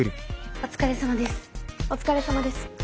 お疲れさまです。